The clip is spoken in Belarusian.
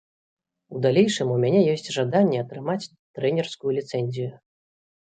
У далейшым у мяне ёсць жаданне атрымаць трэнерскую ліцэнзію.